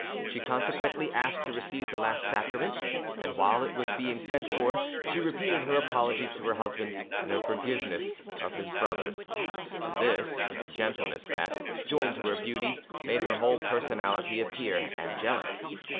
She consequently asked to receive the last sacrament, and while it was being sent for, she repeated her apologies to her husband and her forgiveness of his brothers, and this with a gentleness that, joined to her beauty, made her whole personality appear angelic.